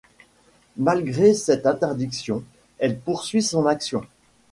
Malgré cette interdiction, elle poursuit son action.